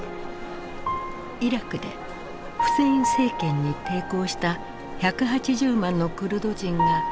イラクでフセイン政権に抵抗した１８０万のクルド人が避難民となった。